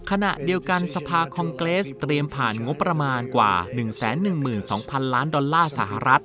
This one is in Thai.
ขณะเดียวกันสภาคองเกรสเตรียมผ่านงบประมาณกว่า๑๑๒๐๐๐ล้านดอลลาร์สหรัฐ